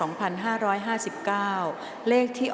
ออกรางวัลเลขหน้า๓ตัวครั้งที่๒